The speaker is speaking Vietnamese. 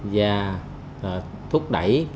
và thúc đẩy